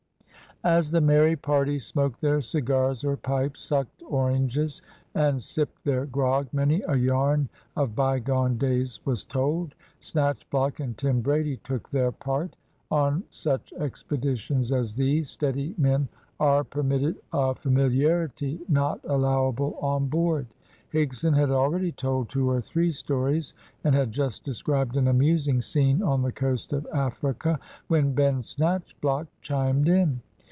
As the merry party smoked their cigars or pipes, sucked oranges, and sipped their grog, many a yarn of bygone days was told. Snatchblock and Tim Brady took their part. On such expeditions as these, steady men are permitted a familiarity not allowable on board. Higson had already told two or three stories, and had just described an amusing scene on the coast of Africa, when Ben Snatchblock chimed in.